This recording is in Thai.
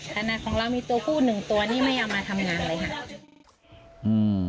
ขนาดของเรามีตัวผู้หนึ่งตัวนี่ไม่เอามาทำงานเลยค่ะ